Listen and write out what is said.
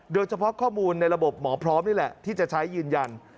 โดยเฉพาะข้อมูลในระบบหมอพร้อมนี่แหละที่จะใช้ยืนยัน